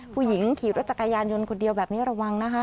ผู้หญิงขี่รถจักรยานยนต์คนเดียวแบบนี้ระวังนะคะ